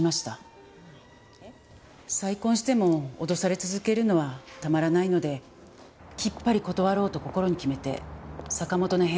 再婚しても脅され続けるのはたまらないのできっぱり断ろうと心に決めて坂本の部屋に行きました。